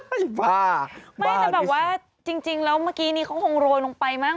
บ้าบ้านิสิไม่แต่แบบว่าจริงแล้วเมื่อกี้นี่เขาคงโรยลงไปมาก